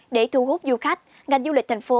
để thu hút du khách ngành du lịch thành phố